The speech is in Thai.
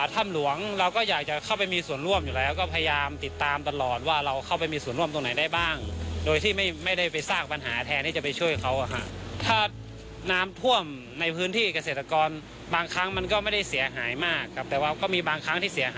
แต่ว่าถ้ามันแช่อยู่นานประมาณสัก๗วันอย่างนี้